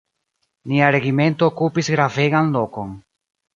Nia regimento okupis gravegan lokon.